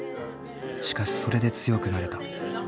しかしそれで強くなれた。